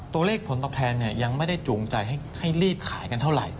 ตัวเลขผลตอบแทนยังไม่ได้จูงใจให้รีบขายกันเท่าไหร่